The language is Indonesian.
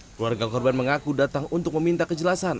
keluarga korban mengaku datang untuk meminta kejelasan